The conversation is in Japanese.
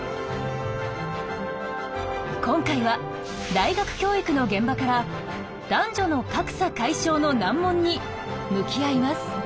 今回は大学教育の現場から男女の格差解消の難問に向き合います。